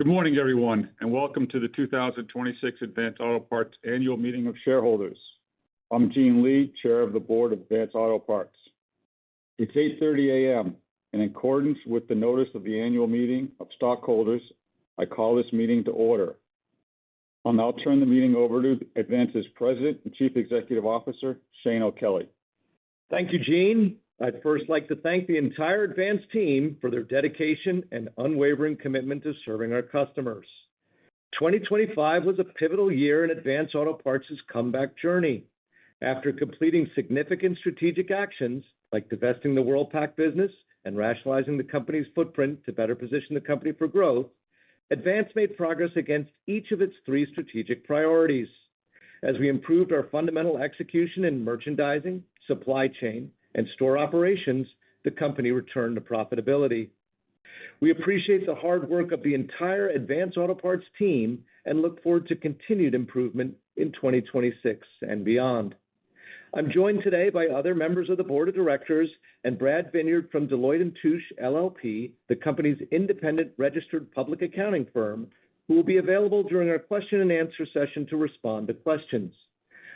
Good morning, everyone, and welcome to the 2026 Advance Auto Parts annual meeting of shareholders. I'm Gene Lee, Chair of the Board of Advance Auto Parts. It's 8:30 A.M. In accordance with the notice of the annual meeting of stockholders, I call this meeting to order. I'll now turn the meeting over to Advance's President and Chief Executive Officer, Shane O'Kelly. Thank you, Gene. I'd first like to thank the entire Advance team for their dedication and unwavering commitment to serving our customers. 2025 was a pivotal year in Advance Auto Parts' comeback journey. After completing significant strategic actions, like divesting the Worldpac business and rationalizing the company's footprint to better position the company for growth, Advance made progress against each of its three strategic priorities. As we improved our fundamental execution in merchandising, supply chain, and store operations, the company returned to profitability. We appreciate the hard work of the entire Advance Auto Parts team and look forward to continued improvement in 2026 and beyond. I'm joined today by other members of the board of directors and Brad Vineyard from Deloitte & Touche LLP, the company's independent registered public accounting firm, who will be available during our question-and-answer session to respond to questions.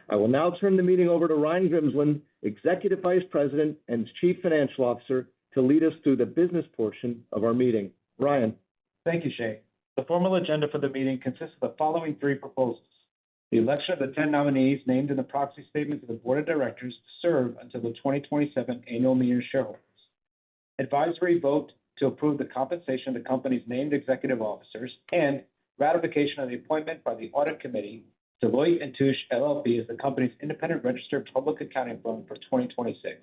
I will now turn the meeting over to Ryan Grimsland, Executive Vice President and Chief Financial Officer, to lead us through the business portion of our meeting. Ryan. Thank you, Shane. The formal agenda for the meeting consists of the following three proposals. The election of the 10 nominees named in the proxy statement to the Board of Directors to serve until the 2027 Annual Meeting of Shareholders. Advisory vote to approve the compensation of the company's named executive officers, and ratification of the appointment by the Audit Committee, Deloitte & Touche LLP, as the company's independent registered public accounting firm for 2026.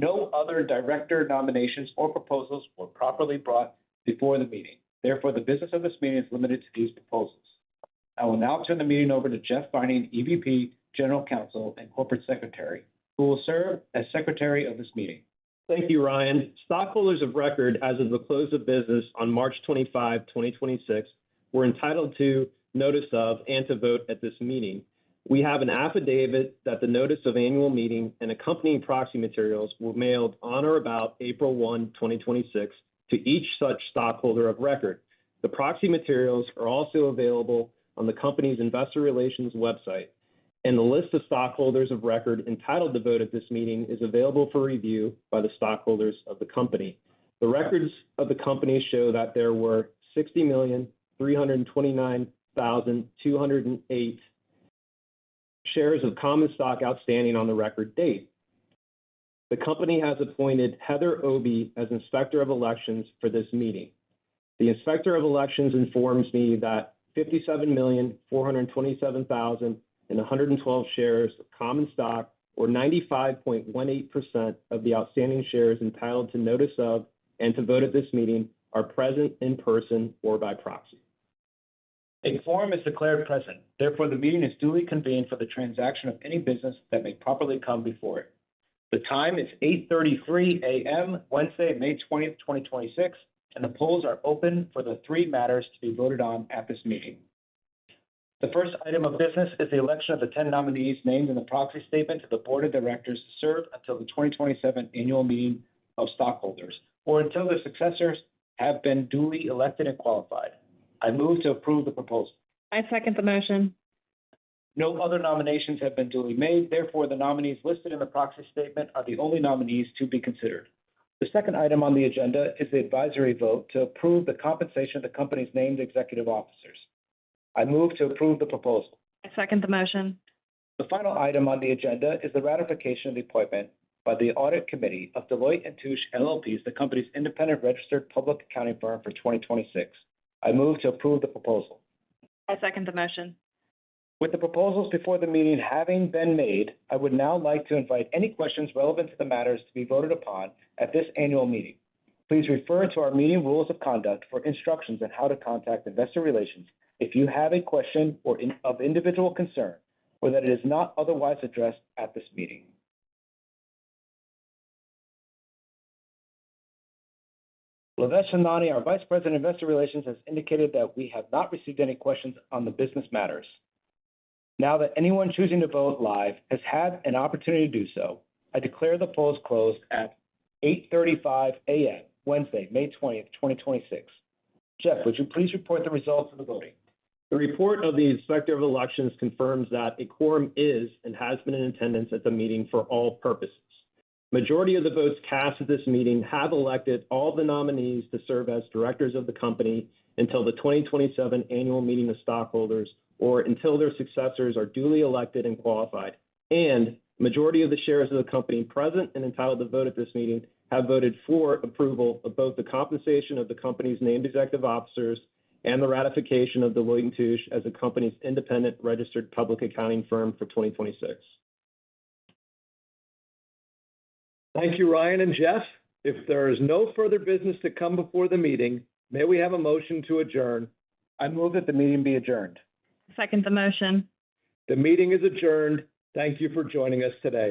No other director nominations or proposals were properly brought before the meeting. Therefore, the business of this meeting is limited to these proposals. I will now turn the meeting over to Jeff Vining, EVP, General Counsel, and Corporate Secretary, who will serve as secretary of this meeting. Thank you, Ryan. Stockholders of record as of the close of business on March 25, 2026, were entitled to notice of and to vote at this meeting. We have an affidavit that the notice of annual meeting and accompanying proxy materials were mailed on or about April 1, 2026, to each such stockholder of record. The proxy materials are also available on the company's investor relations website, and the list of stockholders of record entitled to vote at this meeting is available for review by the stockholders of the company. The records of the company show that there were 60,329,208 shares of common stock outstanding on the record date. The company has appointed Heather Obey as Inspector of Elections for this meeting. The Inspector of Elections informs me that 57,427,112 shares of common stock, or 95.18% of the outstanding shares entitled to notice of and to vote at this meeting, are present in person or by proxy. A quorum is declared present. The meeting is duly convened for the transaction of any business that may properly come before it. The time is 8:33 A.M., Wednesday, May 20, 2026, and the polls are open for the three matters to be voted on at this meeting. The first item of business is the election of the 10 nominees named in the proxy statement to the board of directors to serve until the 2027 Annual Meeting of Stockholders, or until their successors have been duly elected and qualified. I move to approve the proposal. I second the motion. No other nominations have been duly made. Therefore, the nominees listed in the proxy statement are the only nominees to be considered. The second item on the agenda is the advisory vote to approve the compensation of the company's named executive officers. I move to approve the proposal. I second the motion. The final item on the agenda is the ratification of the appointment by the audit committee of Deloitte & Touche LLP as the company's independent registered public accounting firm for 2026. I move to approve the proposal. I second the motion. With the proposals before the meeting having been made, I would now like to invite any questions relevant to the matters to be voted upon at this annual meeting. Please refer to our meeting rules of conduct for instructions on how to contact investor relations if you have a question of individual concern or that is not otherwise addressed at this meeting. Lavesh Hemnani, our Vice President, Investor Relations, has indicated that we have not received any questions on the business matters. Now that anyone choosing to vote live has had an opportunity to do so, I declare the polls closed at 8:35 A.M., Wednesday, May 20, 2026. Jeff, would you please report the results of the voting? The report of the Inspector of Elections confirms that a quorum is and has been in attendance at the meeting for all purposes. Majority of the votes cast at this meeting have elected all the nominees to serve as directors of the company until the 2026 Annual Meeting of Shareholders, or until their successors are duly elected and qualified. Majority of the shares of the company present and entitled to vote at this meeting have voted for approval of both the compensation of the company's named executive officers and the ratification of Deloitte & Touche as the company's independent registered public accounting firm for 2026. Thank you, Ryan and Jeff. If there is no further business to come before the meeting, may we have a motion to adjourn? I move that the meeting be adjourned. Second the motion. The meeting is adjourned. Thank you for joining us today.